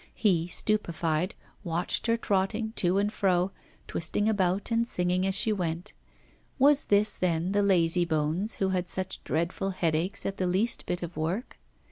He, stupefied, watched her trotting to and fro, twisting about and singing as she went. Was this then the lazybones who had such dreadful headaches at the least bit of work?